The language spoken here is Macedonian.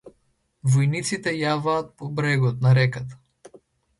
Војниците јаваат по брегот на реката.